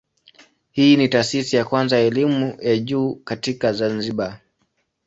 Hii ni taasisi ya kwanza ya elimu ya juu katika Zanzibar.